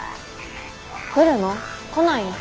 来るの？来ないの？